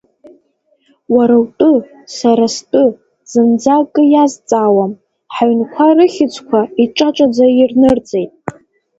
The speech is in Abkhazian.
Уара утәы, сара стәы, зынӡа акы иазҵаауам, ҳаҩнқәа рыхьыӡқәа иҿаҿаӡа ирнырҵеит.